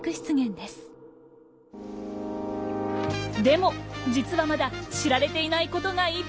でも実はまだ知られていないことがいっぱい！